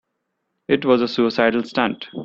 It was a suicidal stunt.